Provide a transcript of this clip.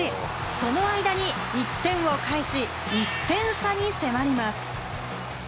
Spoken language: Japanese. その間に１点をかえし、１点差に迫ります。